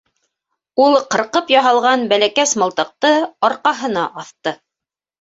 Ул ҡырҡып яһалған бәләкәс мылтыҡты арҡаһына аҫты.